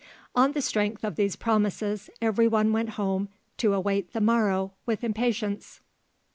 On the strength of these promises everyone went home to await the morrow with impatience.